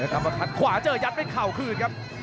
อื้อหือจังหวะขวางแล้วพยายามจะเล่นงานด้วยซอกแต่วงใน